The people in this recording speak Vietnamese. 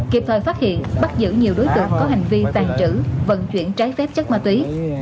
kịp thời phát hiện bắt giữ nhiều đối tượng có hành vi tàn trữ vận chuyển trái phép chất ma túy